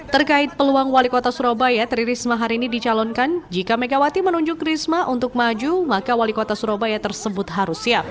terkait peluang wali kota surabaya tri risma hari ini dicalonkan jika megawati menunjuk risma untuk maju maka wali kota surabaya tersebut harus siap